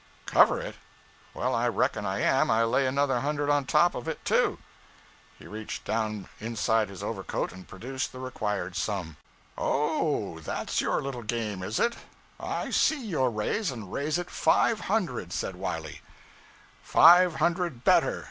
'Cover it? Well, I reckon I am and lay another hundred on top of it, too.' He reached down inside his overcoat and produced the required sum. 'Oh, that's your little game, is it? I see your raise, and raise it five hundred!' said Wiley. 'Five hundred better.'